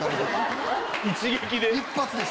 一撃で？